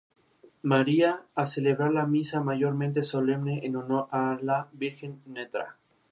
Fue entonces cuando se emancipó de casa de sus padres.